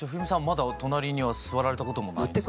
まだ隣には座られたこともないですか？